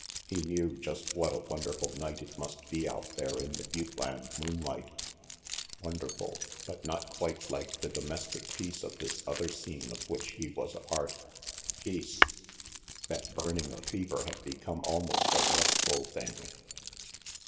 He knew just what a wonderful night it must be out there in the butte land moonlight wonderful, but not quite like the domestic peace of this other scene of which he was a part. Peace. That burning of fever had become almost a restful thing.